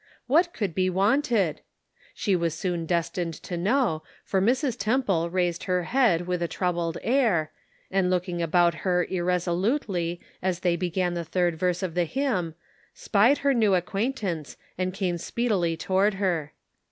What could be wanted ? She was soon destined to know, for Mrs. Temple, raised her head with a troubled air, and looking about her irresolutely as they began the third verse of the hymn, spied her new acquaintance and came speedily toward her.